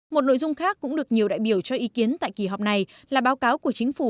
một nội dung khác cũng được nhiều đại biểu cho ý kiến tại kỳ họp này là báo cáo của chính phủ